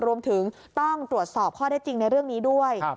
รวมถึงต้องตรวจสอบข้อได้จริงในเรื่องนี้ด้วย